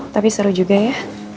tapi seru juga ya